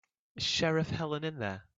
Is Sheriff Helen in there?